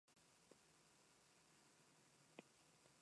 Se encuentra en Cuba, la República Dominicana y Haití.